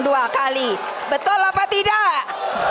dua kali betul apa tidak